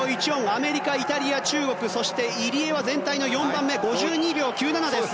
アメリカ、イタリア、中国そして入江は全体の４番目５２秒９７です。